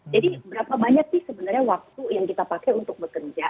jadi berapa banyak sih sebenarnya waktu yang kita pakai untuk bekerja